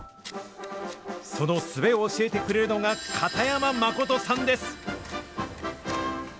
そのすべを教えてくれるのが、片山誠さんです。